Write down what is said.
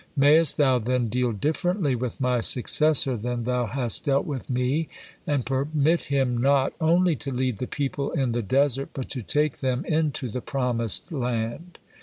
Mayest Thou then deal differently with my successor than Thou hast dealt with me, and permit him not only to lead the people in the desert, but to take them into the promised land.